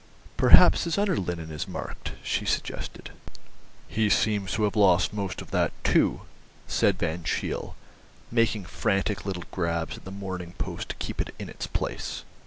"Perhaps his underlinen is marked," she suggested. "He seems to have lost most of that, too," said Van Cheele, making frantic little grabs at the Morning Post to keep it in its place.